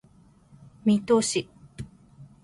水戸市